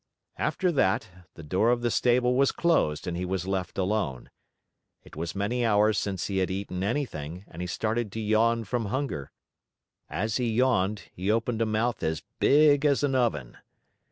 After that, the door of the stable was closed and he was left alone. It was many hours since he had eaten anything and he started to yawn from hunger. As he yawned, he opened a mouth as big as an oven.